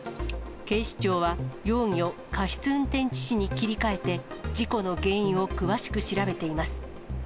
警視庁は、容疑を過失運転致死に切り替えて、事故の原因を詳しく調べています。